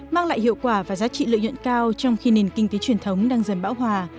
mang lại hiệu quả và giá trị lợi nhuận cao trong khi nền kinh tế truyền thống đang dần bão hòa